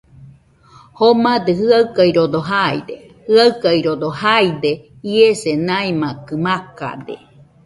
Jomadɨ jɨaɨkaɨrodo jaide, jaɨkaɨrodo jaide. Iese maimakɨ makade.